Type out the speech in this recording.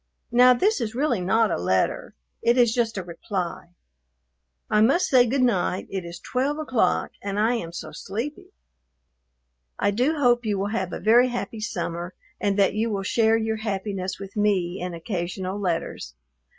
Now this is really not a letter; it is just a reply. I must say good night; it is twelve o'clock, and I am so sleepy. I do hope you will have a very happy summer, and that you will share your happiness with me in occasional letters.